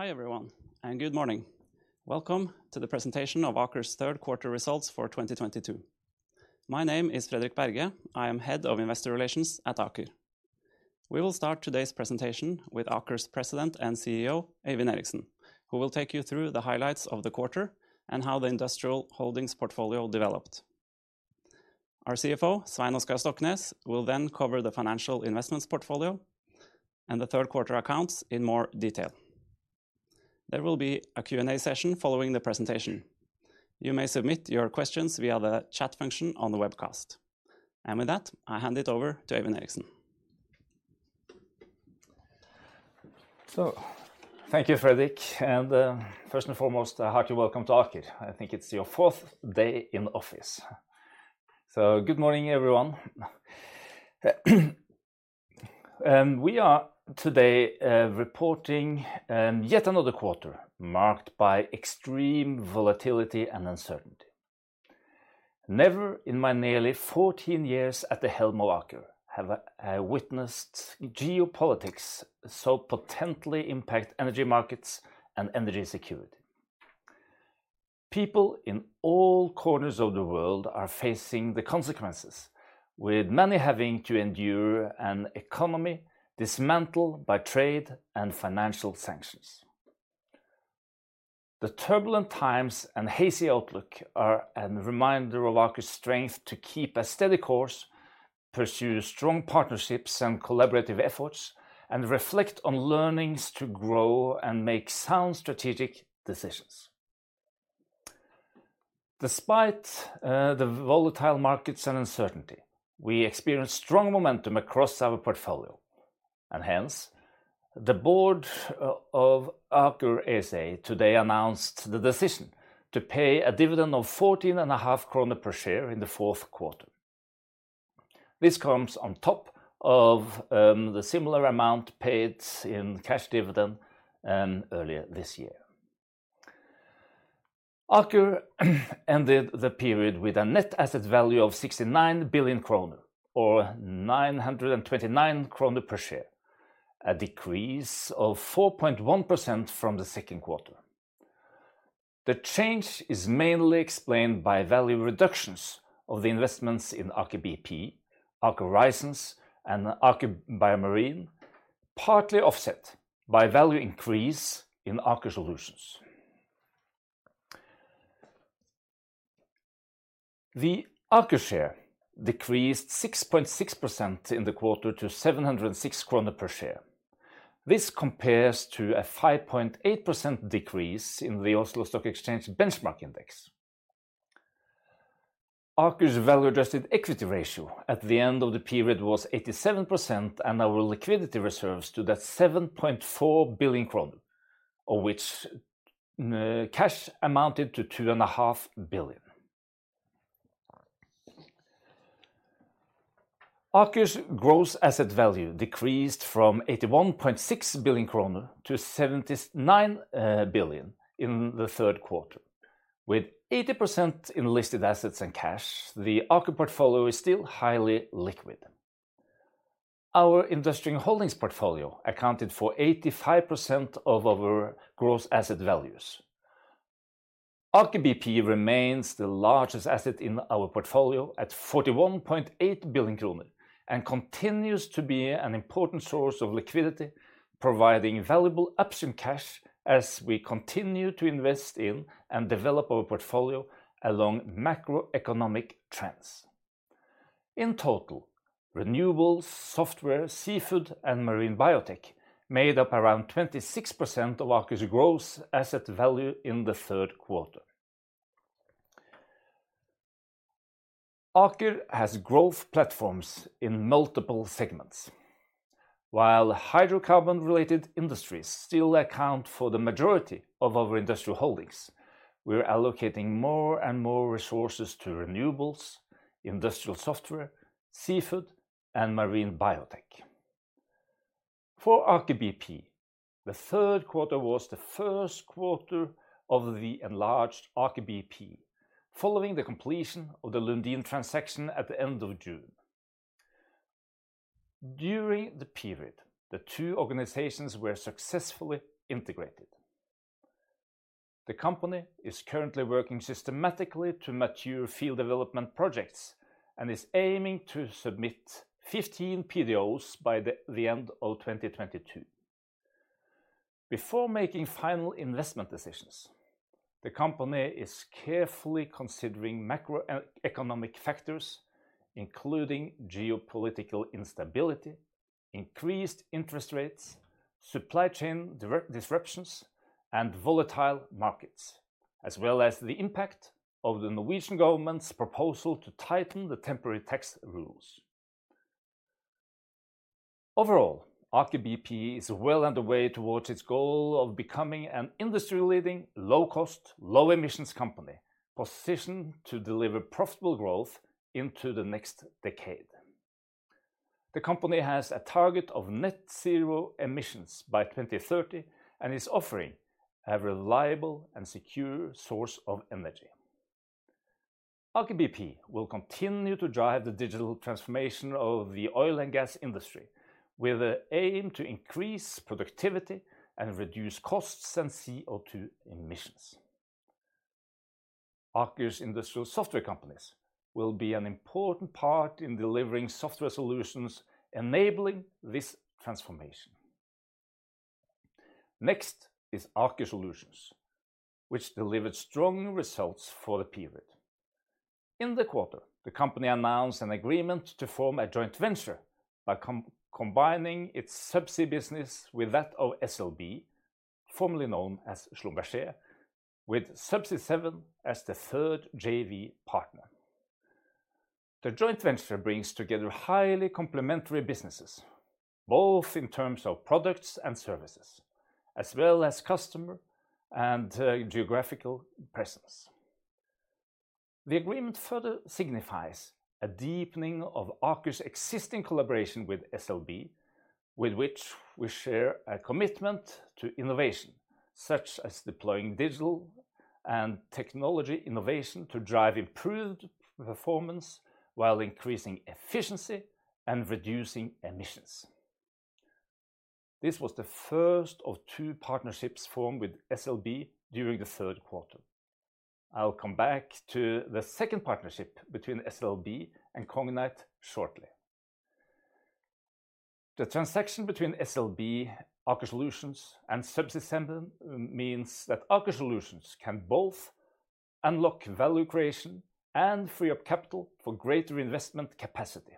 Hi, everyone, and good morning. Welcome to the presentation of Aker's Third Quarter Results for 2022. My name is Fredrik Berge. I am Head of Investor Relations at Aker. We will start today's presentation with Aker's president and CEO, Øyvind Eriksen, who will take you through the highlights of the quarter and how the industrial holdings portfolio developed. Our CFO, Svein Oskar Stoknes, will then cover the financial investments portfolio and the third quarter accounts in more detail. There will be a Q&A session following the presentation. You may submit your questions via the chat function on the webcast. With that, I hand it over to Øyvind Eriksen. Thank you, Fredrik. First and foremost, highly welcome to Aker. I think it's your fourth day in office. Good morning, everyone. We are today reporting yet another quarter marked by extreme volatility and uncertainty. Never in my nearly 14 years at the helm of Aker have I witnessed geopolitics so potently impact energy markets and energy security. People in all corners of the world are facing the consequences, with many having to endure an economy dismantled by trade and financial sanctions. The turbulent times and hazy outlook are a reminder of Aker's strength to keep a steady course, pursue strong partnerships and collaborative efforts, and reflect on learnings to grow and make sound strategic decisions. Despite the volatile markets and uncertainty, we experienced strong momentum across our portfolio, and hence the board of Aker ASA today announced the decision to pay a dividend of 14.5 kroner per share in the fourth quarter. This comes on top of the similar amount paid in cash dividend earlier this year. Aker ended the period with a net asset value of 69 billion kroner, or 929 kroner per share, a decrease of 4.1% from the second quarter. The change is mainly explained by value reductions of the investments in Aker BP, Aker Horizons, and Aker BioMarine, partly offset by value increase in Aker Solutions. The Aker share decreased 6.6% in the quarter to 706 kroner per share. This compares to a 5.8% decrease in the Oslo Stock Exchange benchmark index. Aker's value-adjusted equity ratio at the end of the period was 87%, and our liquidity reserves stood at 7.4 billion crown, of which cash amounted to 2.5 billion. Aker's gross asset value decreased from 81.6 billion-79 billion kroner in the third quarter. With 80% in listed assets and cash, the Aker portfolio is still highly liquid. Our industrial holdings portfolio accounted for 85% of our gross asset values. Aker BP remains the largest asset in our portfolio at 41.8 billion kroner and continues to be an important source of liquidity, providing valuable option cash as we continue to invest in and develop our portfolio along macroeconomic trends. In total, renewables, software, seafood, and marine biotech made up around 26% of Aker's gross asset value in the third quarter. Aker has growth platforms in multiple segments. While hydrocarbon-related industries still account for the majority of our industrial holdings, we're allocating more and more resources to renewables, industrial software, seafood, and marine biotech. For Aker BP, the third quarter was the first quarter of the enlarged Aker BP following the completion of the Lundin transaction at the end of June. During the period, the two organizations were successfully integrated. The company is currently working systematically to mature field development projects and is aiming to submit 15 PDOs by the end of 2022. Before making final investment decisions, the company is carefully considering macroeconomic factors, including geopolitical instability, increased interest rates, supply chain disruptions, and volatile markets, as well as the impact of the Norwegian government's proposal to tighten the temporary tax rules. Overall, Aker BP is well underway towards its goal of becoming an industry-leading, low-cost, low-emissions company positioned to deliver profitable growth into the next decade. The company has a target of net zero emissions by 2030 and is offering a reliable and secure source of energy. Aker BP will continue to drive the digital transformation of the oil and gas industry with the aim to increase productivity and reduce costs and CO2 emissions. Aker's industrial software companies will be an important part in delivering software solutions enabling this transformation. Next is Aker Solutions, which delivered strong results for the period. In the quarter, the company announced an agreement to form a joint venture by combining its subsea business with that of SLB, formerly known as Schlumberger, with Subsea 7 as the third JV partner. The joint venture brings together highly complementary businesses, both in terms of products and services, as well as customer and geographical presence. The agreement further signifies a deepening of Aker's existing collaboration with SLB, with which we share a commitment to innovation, such as deploying digital and technology innovation to drive improved performance while increasing efficiency and reducing emissions. This was the first of two partnerships formed with SLB during the third quarter. I will come back to the second partnership between SLB and Cognite shortly. The transaction between SLB, Aker Solutions, and Subsea 7 means that Aker Solutions can both unlock value creation and free up capital for greater investment capacity.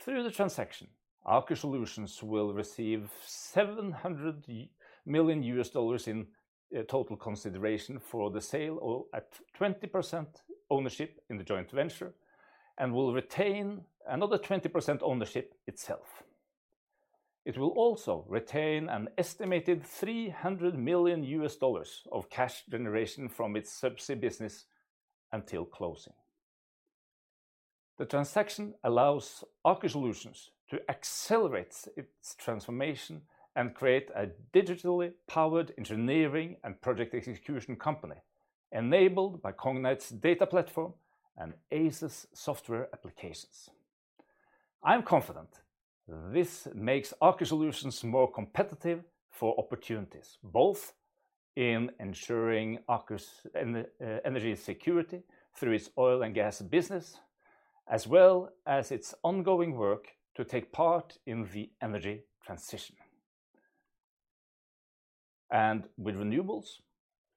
Through the transaction, Aker Solutions will receive $700 million in total consideration for the sale of 80% ownership in the joint venture and will retain another 20% ownership itself. It will also retain an estimated $300 million of cash generation from its subsea business until closing. The transaction allows Aker Solutions to accelerate its transformation and create a digitally powered engineering and project execution company enabled by Cognite's data platform and Aize software applications. I am confident this makes Aker Solutions more competitive for opportunities, both in ensuring Aker's energy security through its oil and gas business, as well as its ongoing work to take part in the energy transition. With renewables,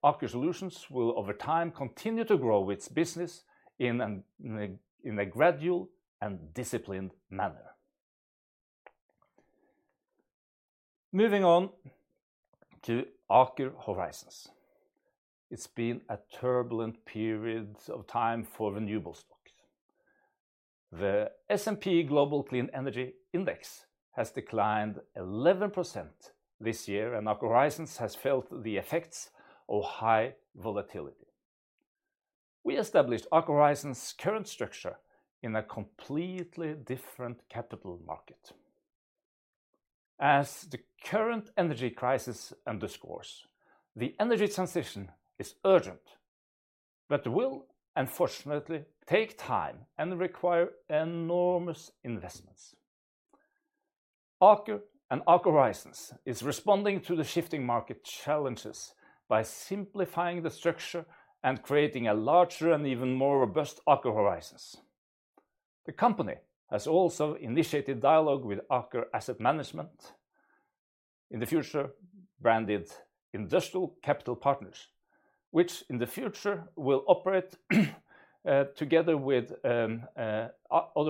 Aker Solutions will over time continue to grow its business in a gradual and disciplined manner. Moving on to Aker Horizons. It's been a turbulent period of time for renewable stocks. The S&P Global Clean Energy Index has declined 11% this year, and Aker Horizons has felt the effects of high volatility. We established Aker Horizons current structure in a completely different capital market. As the current energy crisis underscores, the energy transition is urgent, but will unfortunately take time and require enormous investments. Aker and Aker Horizons is responding to the shifting market challenges by simplifying the structure and creating a larger and even more robust Aker Horizons. The company has also initiated dialogue with Aker Asset Management, in the future branded Industrial Capital Partners, which in the future will operate together with other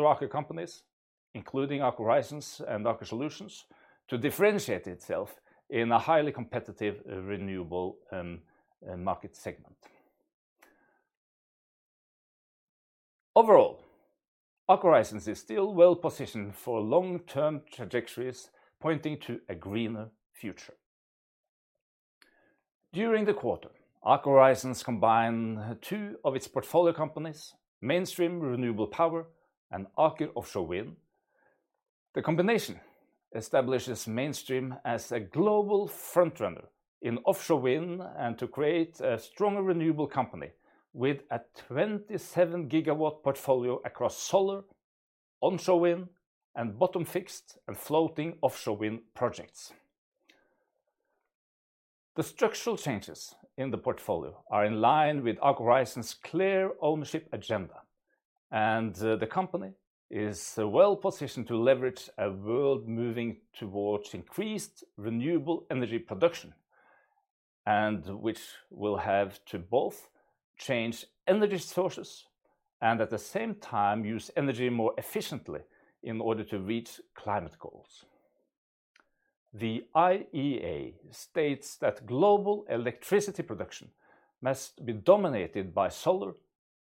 Aker companies, including Aker Horizons and Aker Solutions, to differentiate itself in a highly competitive renewable market segment. Overall, Aker Horizons is still well-positioned for long-term trajectories pointing to a greener future. During the quarter, Aker Horizons combined two of its portfolio companies, Mainstream Renewable Power and Aker Offshore Wind. The combination establishes Mainstream as a global frontrunner in offshore wind and to create a stronger renewable company with a 27 GW portfolio across solar, onshore wind, and bottom fixed and floating offshore wind projects. The structural changes in the portfolio are in line with Aker Horizons clear ownership agenda, and, the company is well-positioned to leverage a world moving towards increased renewable energy production and which will have to both change energy sources and at the same time use energy more efficiently in order to reach climate goals. The IEA states that global electricity production must be dominated by solar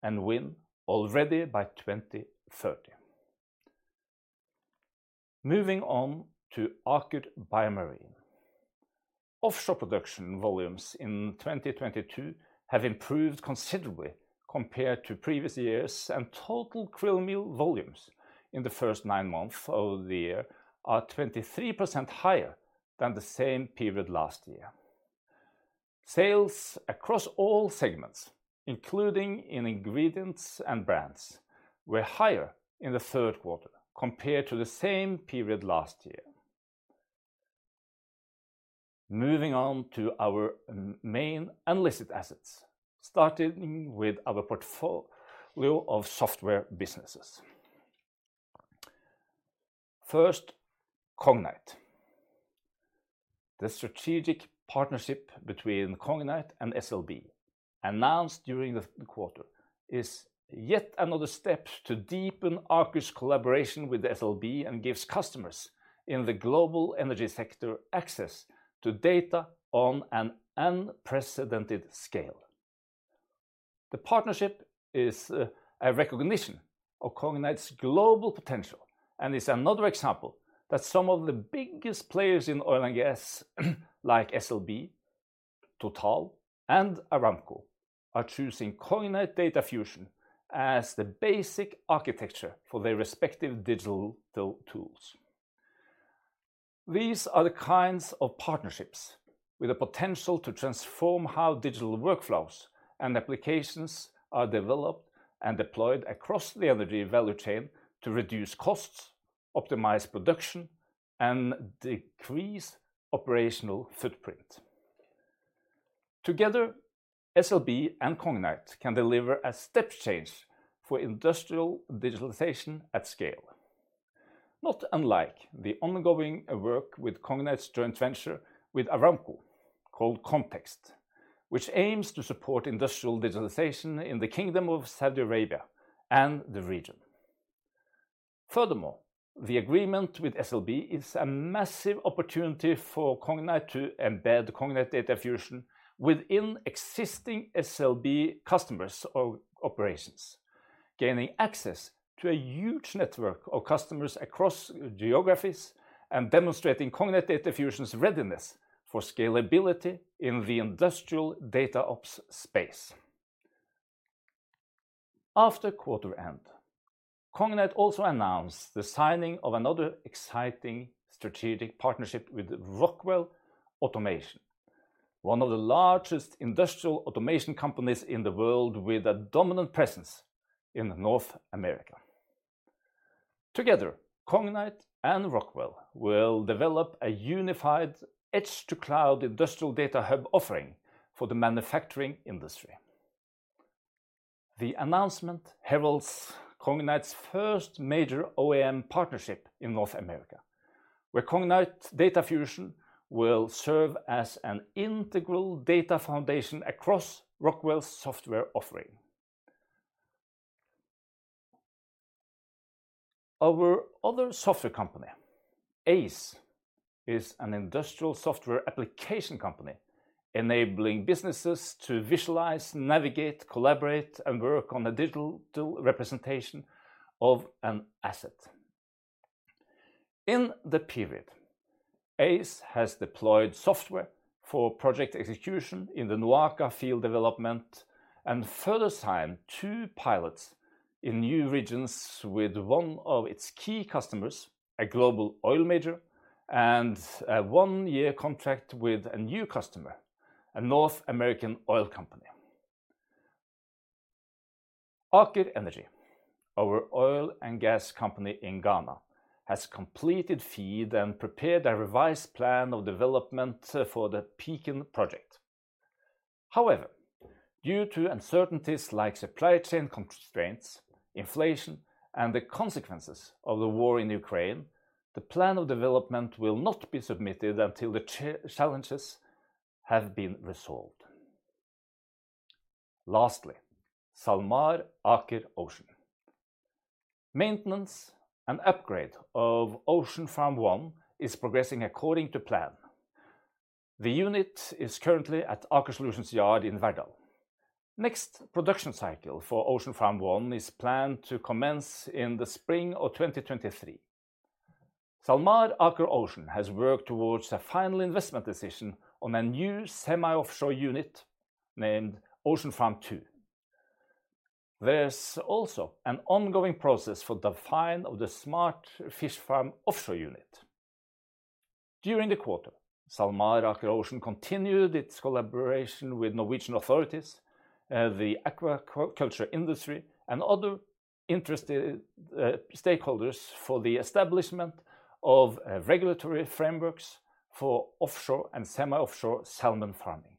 and wind already by 2030. Moving on to Aker BioMarine. Offshore production volumes in 2022 have improved considerably compared to previous years, and total krill meal volumes in the first nine months of the year are 23% higher than the same period last year. Sales across all segments, including in ingredients and brands, were higher in the third quarter compared to the same period last year. Moving on to our main unlisted assets, starting with our portfolio of software businesses. First, Cognite. The strategic partnership between Cognite and SLB announced during the third quarter is yet another step to deepen Aker's collaboration with SLB and gives customers in the global energy sector access to data on an unprecedented scale. The partnership is a recognition of Cognite's global potential and is another example that some of the biggest players in oil and gas, like SLB, TotalEnergies, and Aramco, are choosing Cognite Data Fusion as the basic architecture for their respective digital tools. These are the kinds of partnerships with the potential to transform how digital workflows and applications are developed and deployed across the energy value chain to reduce costs, optimize production, and decrease operational footprint. Together, SLB and Cognite can deliver a step change for industrial digitalization at scale, not unlike the ongoing work with Cognite's joint venture with Aramco called CNTXT, which aims to support industrial digitalization in the Kingdom of Saudi Arabia and the region. Furthermore, the agreement with SLB is a massive opportunity for Cognite to embed Cognite Data Fusion within existing SLB customers or operations, gaining access to a huge network of customers across geographies and demonstrating Cognite Data Fusion's readiness for scalability in the industrial DataOps space. After quarter end, Cognite also announced the signing of another exciting strategic partnership with Rockwell Automation, one of the largest industrial automation companies in the world with a dominant presence in North America. Together, Cognite and Rockwell will develop a unified edge-to-cloud industrial data hub offering for the manufacturing industry. The announcement heralds Cognite's first major OEM partnership in North America, where Cognite Data Fusion will serve as an integral data foundation across Rockwell's software offering. Our other software company, Aize, is an industrial software application company enabling businesses to visualize, navigate, collaborate, and work on a digital representation of an asset. In the period, Aize has deployed software for project execution in the NOAKA field development and further signed two pilots in new regions with one of its key customers, a global oil major, and a one-year contract with a new customer, a North American oil company. Aker Energy, our oil and gas company in Ghana, has completed FEED and prepared a revised plan of development for the Pecan project. However, due to uncertainties like supply chain constraints, inflation, and the consequences of the war in Ukraine, the plan of development will not be submitted until the challenges have been resolved. Lastly, SalMar Aker Ocean. Maintenance and upgrade of Ocean Farm 1 is progressing according to plan. The unit is currently at Aker Solutions yard in Verdal. Next production cycle for Ocean Farm 1 is planned to commence in the spring of 2023. SalMar Aker Ocean has worked towards a final investment decision on a new semi-offshore unit named Ocean Farm 2. There's also an ongoing process for definition of the Smart Fish Farm offshore unit. During the quarter, SalMar Aker Ocean continued its collaboration with Norwegian authorities, the aquaculture industry, and other interested stakeholders for the establishment of regulatory frameworks for offshore and semi-offshore salmon farming.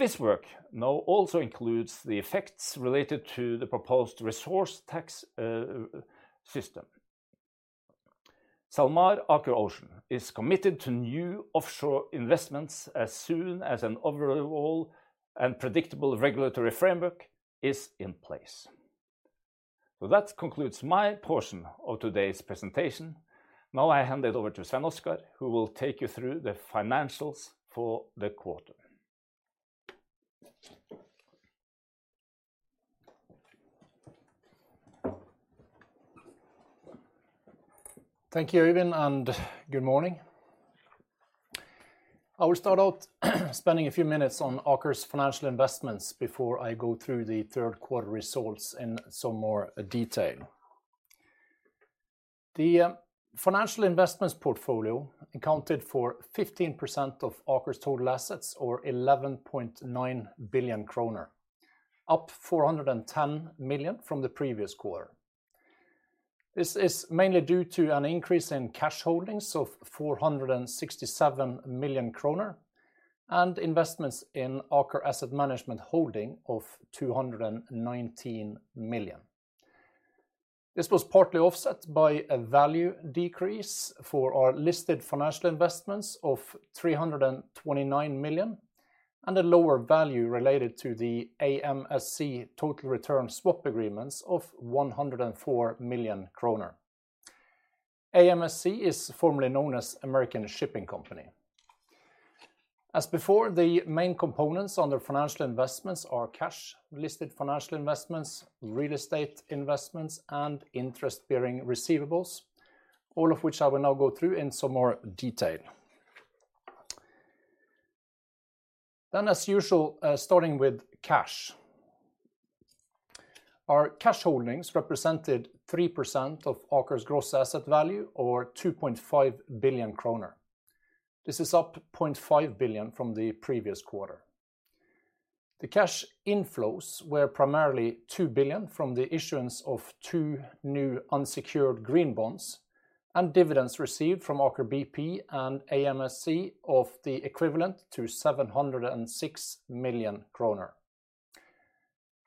This work now also includes the effects related to the proposed resource rent tax system. SalMar Aker Ocean is committed to new offshore investments as soon as an overall and predictable regulatory framework is in place. That concludes my portion of today's presentation. Now I hand it over to Svein Oskar, who will take you through the financials for the quarter. Thank you, Øyvind, and good morning. I will start out spending a few minutes on Aker's financial investments before I go through the third quarter results in some more detail. The financial investments portfolio accounted for 15% of Aker's total assets or 11.9 billion kroner, up 410 million from the previous quarter. This is mainly due to an increase in cash holdings of 467 million kroner and investments in Aker Asset Management Holding of 219 million. This was partly offset by a value decrease for our listed financial investments of 329 million and a lower value related to the AMSC total return swap agreements of 104 million kroner. AMSC is formerly known as American Shipping Company. As before, the main components of the financial investments are cash, listed financial investments, real estate investments, and interest-bearing receivables, all of which I will now go through in some more detail. As usual, starting with cash. Our cash holdings represented 3% of Aker's gross asset value or 2.5 billion kroner. This is up 0.5 billion from the previous quarter. The cash inflows were primarily 2 billion from the issuance of two new unsecured green bonds and dividends received from Aker BP and AMSC equivalent to 706 million kroner.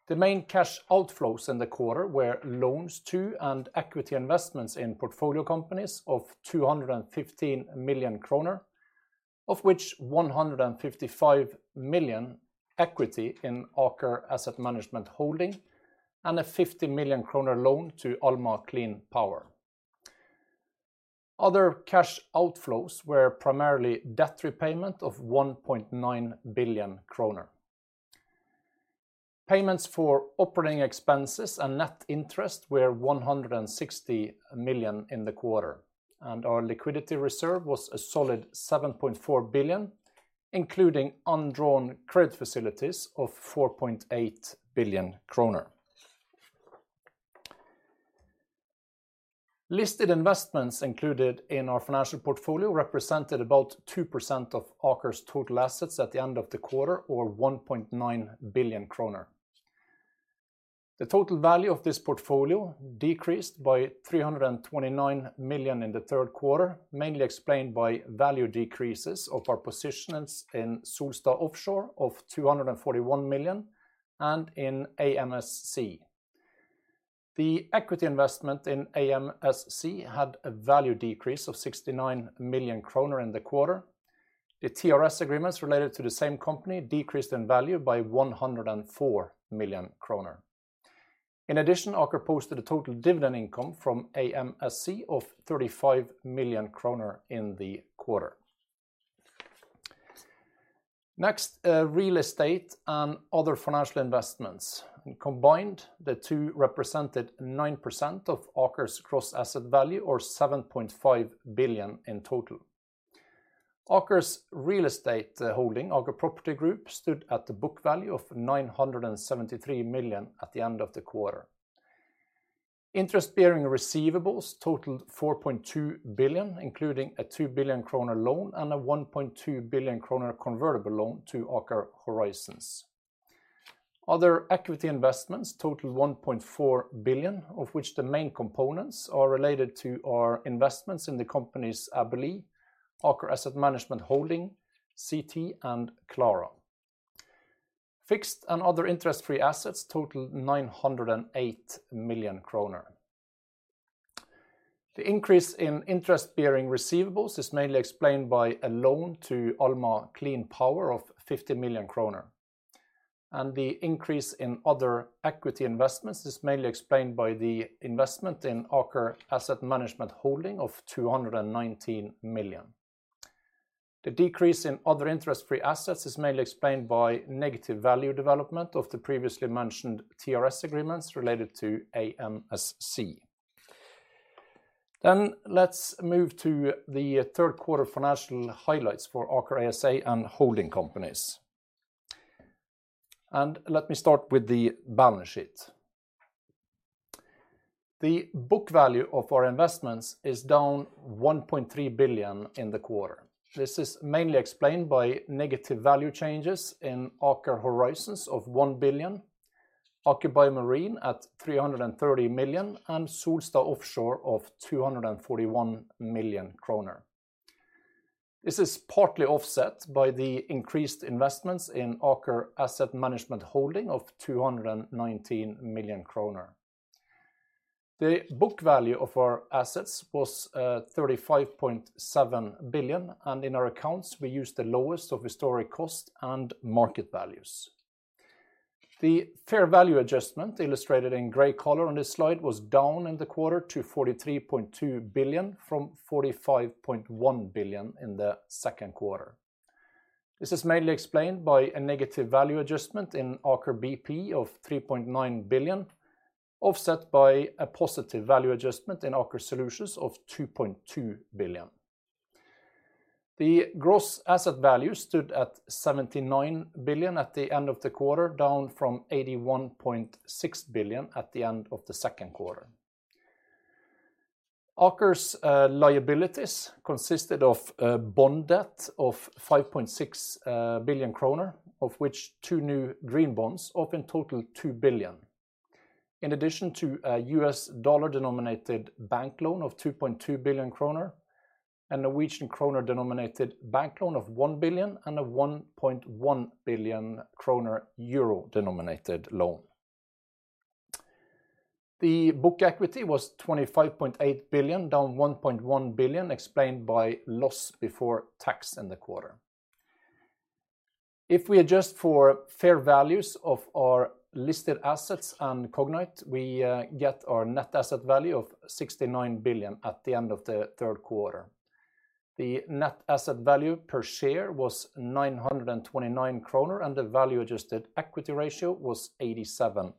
The main cash outflows in the quarter were loans to and equity investments in portfolio companies of 215 million kroner, of which 155 million equity in Aker Asset Management Holding and a 50 million kroner loan to Alma Clean Power. Other cash outflows were primarily debt repayment of 1.9 billion kroner. Payments for operating expenses and net interest were 160 million in the quarter, and our liquidity reserve was a solid 7.4 billion, including undrawn credit facilities of 4.8 billion kroner. Listed investments included in our financial portfolio represented about 2% of Aker's total assets at the end of the quarter or 1.9 billion kroner. The total value of this portfolio decreased by 329 million in the third quarter, mainly explained by value decreases of our positions in Solstad Offshore of 241 million and in AMSC. The equity investment in AMSC had a value decrease of 69 million kroner in the quarter. The TRS agreements related to the same company decreased in value by 104 million kroner. In addition, Aker posted a total dividend income from AMSC of 35 million kroner in the quarter. Next, real estate and other financial investments. Combined, the two represented 9% of Aker's gross asset value, or 7.5 billion in total. Aker's real estate holding, Aker Property Group, stood at the book value of 973 million at the end of the quarter. Interest-bearing receivables totaled 4.2 billion, including a 2 billion kroner loan and a 1.2 billion kroner convertible loan to Aker Horizons. Other equity investments totaled 1.4 billion, of which the main components are related to our investments in the company's Aize, Aker Asset Management Holding, CNTXT, and Clara. Fixed and other interest-free assets totaled 908 million kroner. The increase in interest-bearing receivables is mainly explained by a loan to Alma Clean Power of 50 million kroner. The increase in other equity investments is mainly explained by the investment in Aker Asset Management Holding of 219 million. The decrease in other interest-free assets is mainly explained by negative value development of the previously mentioned TRS agreements related to AMSC. Let's move to the third quarter financial highlights for Aker ASA and holding companies. Let me start with the balance sheet. The book value of our investments is down 1.3 billion in the quarter. This is mainly explained by negative value changes in Aker Horizons of 1 billion, Aker BioMarine at 330 million, and Solstad Offshore of 241 million kroner. This is partly offset by the increased investments in Aker Asset Management Holding of 219 million kroner The book value of our assets was 35.7 billion, and in our accounts, we use the lowest of historic cost and market values. The fair value adjustment illustrated in gray color on this slide was down in the quarter to 43.2 billion from 45.1 billion in the second quarter. This is mainly explained by a negative value adjustment in Aker BP of 3.9 billion. Offset by a positive value adjustment in Aker Solutions of 2.2 billion. The gross asset value stood at 79 billion at the end of the quarter, down from 81.6 billion at the end of the second quarter. Aker's liabilities consisted of bond debt of 5.6 billion kroner, of which two new green bonds up in total 2 billion. In addition to a U.S. dollar-denominated bank loan of 2.2 billion kroner, a Norwegian kroner-denominated bank loan of 1 billion, and a 1.1 billion kroner euro-denominated loan. The book equity was 25.8 billion, down 1.1 billion, explained by loss before tax in the quarter. If we adjust for fair values of our listed assets and Cognite, we get our net asset value of 69 billion at the end of the third quarter. The net asset value per share was 929 kroner, and the value-adjusted equity ratio was 87%.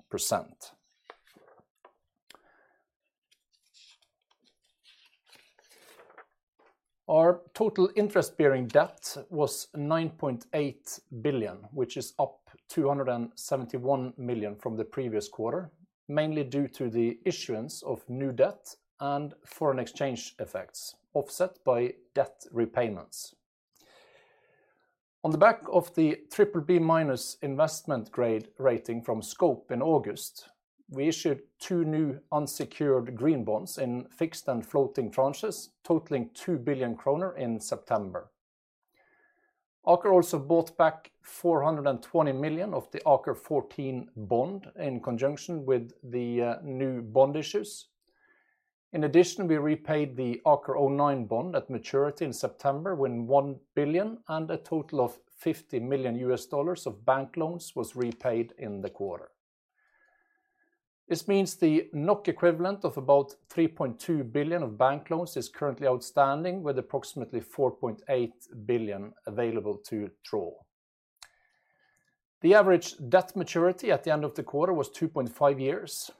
Our total interest-bearing debt was 9.8 billion, which is up 271 million from the previous quarter, mainly due to the issuance of new debt and foreign exchange effects offset by debt repayments. On the back of the BBB- investment grade rating from Scope Ratings in August, we issued two new unsecured green bonds in fixed and floating tranches totaling 2 billion kroner in September. Aker also bought back 420 million of the AKER14 bond in conjunction with the new bond issues. In addition, we repaid the AKER09 bond at maturity in September, 1 billion, and a total of $50 million of bank loans was repaid in the quarter. This means the NOK equivalent of about 3.2 billion of bank loans is currently outstanding, with approximately 4.8 billion available to draw. The average debt maturity at the end of the quarter was 2.5 years.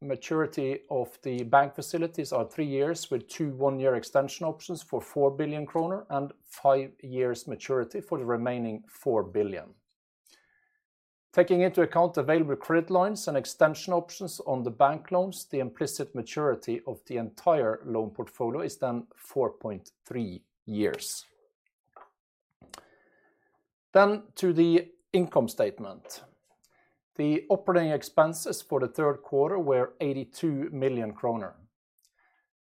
Maturity of the bank facilities are three years, with two one-year extension options for 4 billion kroner and five years maturity for the remaining 4 billion. Taking into account available credit lines and extension options on the bank loans, the implicit maturity of the entire loan portfolio is 4.3 years. To the income statement. The operating expenses for the third quarter were 82 million kroner.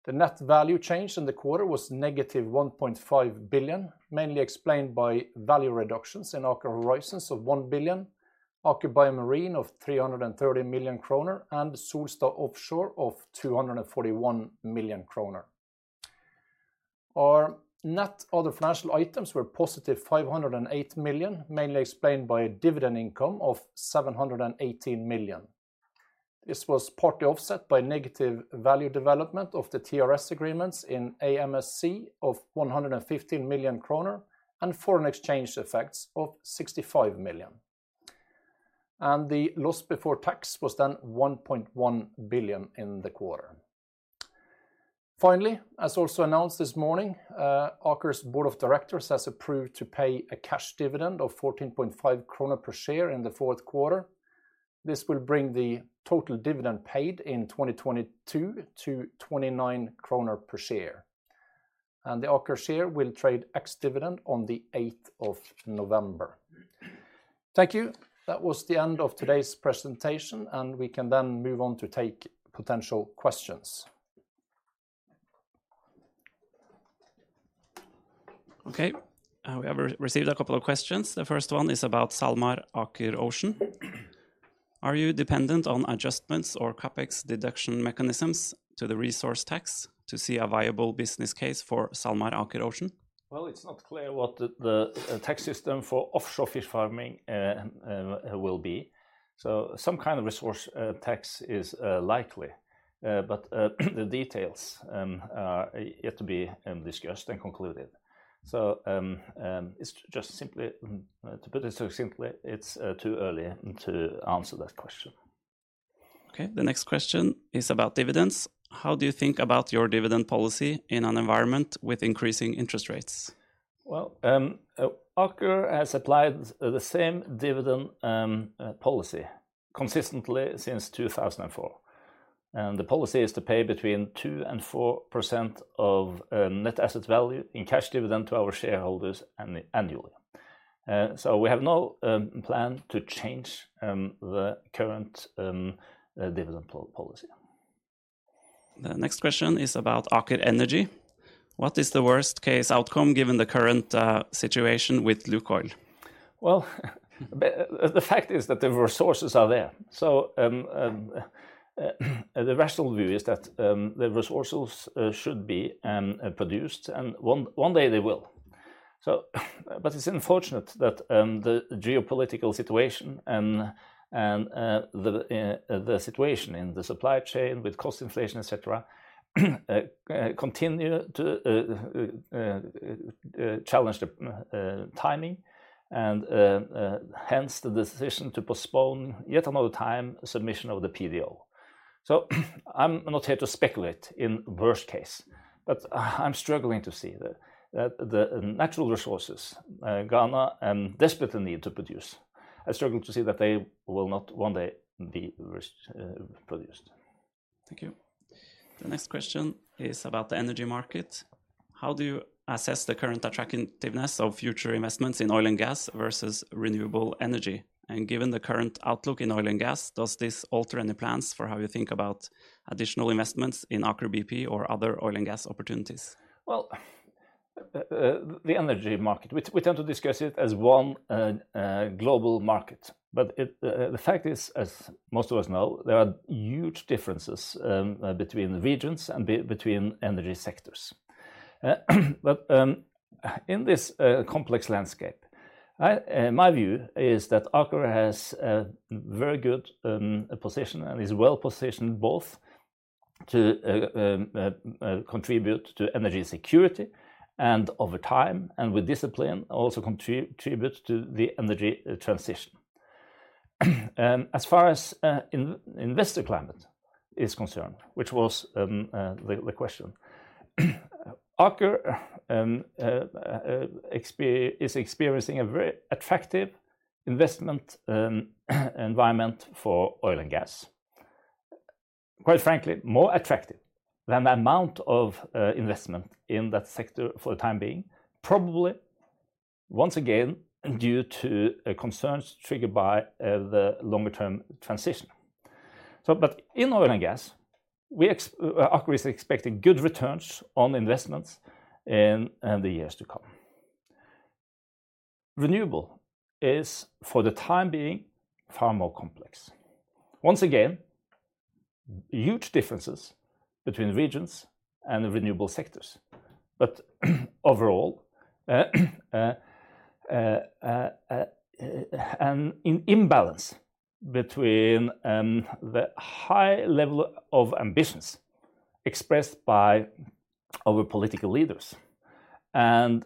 The net value change in the quarter was negative 1.5 billion, mainly explained by value reductions in Aker Horizons of 1 billion, Aker BioMarine of 330 million kroner, and Solstad Offshore of 241 million kroner. Our net other financial items were positive 508 million, mainly explained by dividend income of 718 million. This was partly offset by negative value development of the TRS agreements in AMSC of 115 million kroner and foreign exchange effects of 65 million. The loss before tax was then 1.1 billion in the quarter. Finally, as also announced this morning, Aker's board of directors has approved to pay a cash dividend of 14.5 krone per share in the fourth quarter. This will bring the total dividend paid in 2022 to 29 kroner per share. The Aker share will trade ex-dividend on the 8th of November. Thank you. That was the end of today's presentation, and we can then move on to take potential questions. Okay. We have received a couple of questions. The first one is about SalMar Aker Ocean. Are you dependent on adjustments or CapEx deduction mechanisms to the resource rent tax to see a viable business case for SalMar Aker Ocean? Well, it's not clear what the tax system for offshore fish farming will be. Some kind of resource tax is likely. The details yet to be discussed and concluded. To put it so simply, it's too early to answer that question. Okay. The next question is about dividends. How do you think about your dividend policy in an environment with increasing interest rates? Well, Aker has applied the same dividend policy consistently since 2004. The policy is to pay between 2% and 4% of net asset value in cash dividend to our shareholders annually. We have no plan to change the current dividend policy. The next question is about Aker Energy. What is the worst-case outcome given the current, situation with LUKOIL? Well, the fact is that the resources are there. The rational view is that the resources should be produced, and one day they will. It's unfortunate that the geopolitical situation and the situation in the supply chain with cost inflation, et cetera, continue to challenge the timing and hence the decision to postpone yet another time submission of the PDO. I'm not here to speculate in worst case, but I'm struggling to see the natural resources Ghana desperately need to produce. I struggle to see that they will not one day be produced. Thank you. The next question is about the energy market. How do you assess the current attractiveness of future investments in oil and gas versus renewable energy? Given the current outlook in oil and gas, does this alter any plans for how you think about additional investments in Aker BP or other oil and gas opportunities? The energy market, we tend to discuss it as one global market. The fact is, as most of us know, there are huge differences between the regions and between energy sectors. In this complex landscape, my view is that Aker has a very good position and is well-positioned both to contribute to energy security and over time and with discipline, also contribute to the energy transition. As far as investor climate is concerned, which was the question, Aker is experiencing a very attractive investment environment for oil and gas. Quite frankly, more attractive than the amount of investment in that sector for the time being, probably once again due to concerns triggered by the longer term transition. In oil and gas, Aker is expecting good returns on investments in the years to come. Renewable is, for the time being, far more complex. Once again, huge differences between regions and renewable sectors. Overall, an imbalance between the high level of ambitions expressed by our political leaders and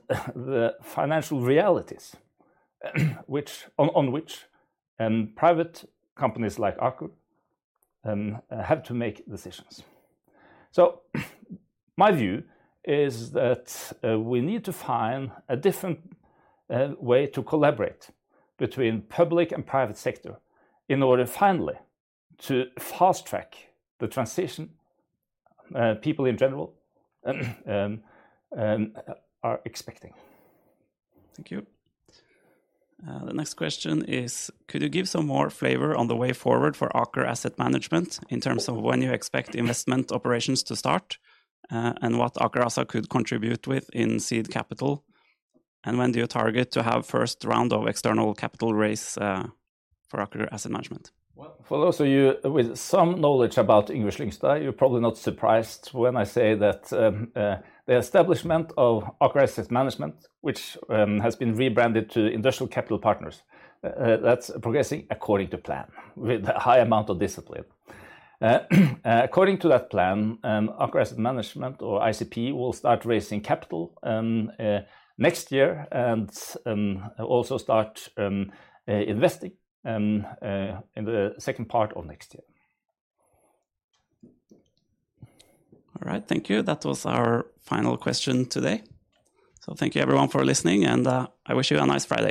the financial realities on which private companies like Aker have to make decisions. My view is that we need to find a different way to collaborate between public and private sector in order finally to fast-track the transition people in general are expecting. Thank you. The next question is, could you give some more flavor on the way forward for Aker Asset Management in terms of when you expect investment operations to start, and what Aker ASA could contribute with in seed capital? When do you target to have first round of external capital raise for Aker Asset Management? Well, for those of you with some knowledge about Kjell Inge Røkke, you're probably not surprised when I say that the establishment of Aker Asset Management, which has been rebranded to Industrial Capital Partners, that's progressing according to plan with a high amount of discipline. According to that plan, Aker Asset Management or ICP will start raising capital next year and also start investing in the second part of next year. All right. Thank you. That was our final question today. Thank you everyone for listening, and I wish you a nice Friday.